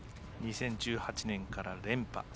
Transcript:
２０１８年から連覇。